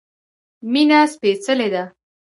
مينه سپيڅلی ده